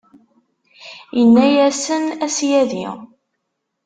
Inna-yasen: A Ssyadi!